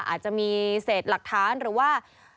อาจจะมีเศษหลักฐานหรือว่า